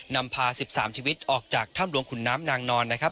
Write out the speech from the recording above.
นำพา๑๓ชีวิตออกจากถ้ำหลวงขุนน้ำนางนอนนะครับ